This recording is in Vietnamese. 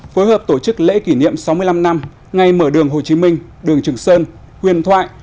phối hợp tổ chức lễ kỷ niệm sáu mươi năm năm ngày mở đường hồ chí minh đường trường sơn huyền thoại